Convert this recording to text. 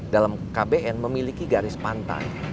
dalam kbn memiliki garis pantai